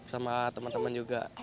sama teman teman juga